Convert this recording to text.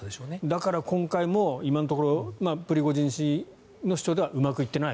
だから今回も、今のところプリゴジン氏の主張ではうまくいってない